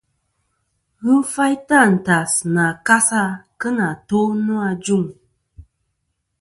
Ghɨ faytɨ àntas nɨ a kasa kɨ nà to nô ajuŋ.